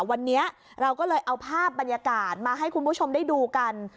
วันนี้เราก็เลยเอาภาพบรรยากาศมาให้คุณผู้ชมได้ดูกัน